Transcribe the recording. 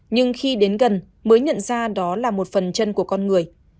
nhưng khi đến gần mới nhận ra đó là một phần chân của con người